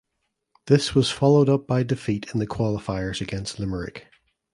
This was followed up by defeat in the qualifiers against Limerick.